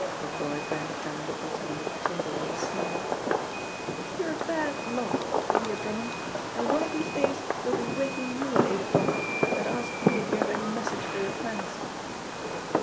Macroy banged down the bottle on the table with a snort. "You're a bad lot, Thalia Drummond, and one of these days they'll be waking you at eight o'clock, and ask you if you have any message for your friends."